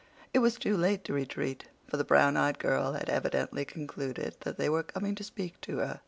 It was too late to retreat, for the brown eyed girl had evidently concluded that they were coming to speak to her.